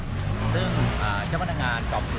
ไม่ใช่นี่คือบ้านของคนที่เคยดื่มอยู่หรือเปล่า